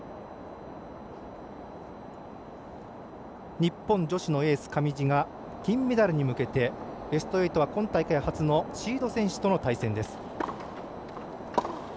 日本女子のエース、上地が金メダルに向けてベスト８は今大会初のシード選手との対戦です。